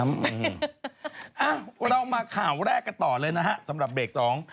อ่ะเรามาข่าวแรกกันต่อเลยนะฮะสำหรับเบรกสอง